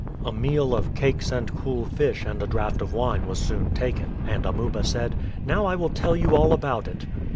A meal of cakes and cool fish and a draught of wine was soon taken; and Amuba said, "Now I will tell you all about it."